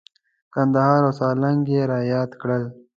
کندهار او سالنګ یې را یاد کړل.